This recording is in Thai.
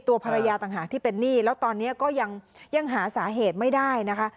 ตัวภรรยาต่างหากที่เป็นหนี้แล้วตอนนี้ก็ยังหาสาเหตุไม่ได้นะคะ